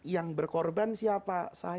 yang berkorban siapa